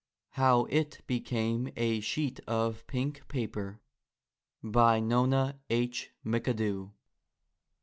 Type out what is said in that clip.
HOW IT BECAME A SHEET OF PINK PAPER. BY NONA H. McADOO.